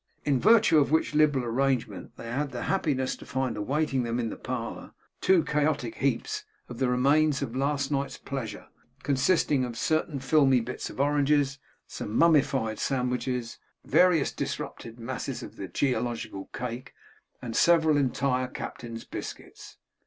In virtue of which liberal arrangement, they had the happiness to find awaiting them in the parlour two chaotic heaps of the remains of last night's pleasure, consisting of certain filmy bits of oranges, some mummied sandwiches, various disrupted masses of the geological cake, and several entire captain's biscuits.